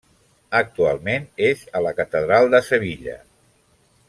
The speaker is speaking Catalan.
Actualment és a la catedral de Sevilla.